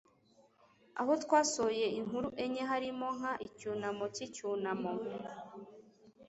aho twasohoye inkuru enye, harimo nka icyunamo cy'icyunamo